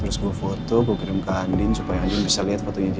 terus gue foto gue kirim ke andien supaya andien bisa liat fotonya jessica